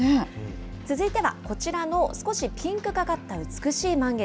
続いてはこちらの少しピンクがかった美しい満月。